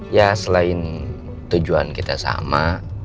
ya selain tujuan kita sama